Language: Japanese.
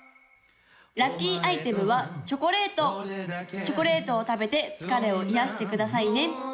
・ラッキーアイテムはチョコレートチョコレートを食べて疲れを癒やしてくださいね・